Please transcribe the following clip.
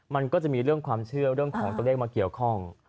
มันก็จะมีเรื่องความเชื่อเรื่องของตัวเลขมาเกี่ยวข้อง